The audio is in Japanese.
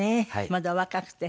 まだお若くて。